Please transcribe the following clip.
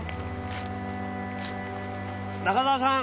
中澤さん